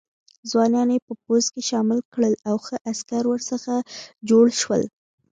ځوانان یې په پوځ کې شامل کړل او ښه عسکر ورڅخه جوړ شول.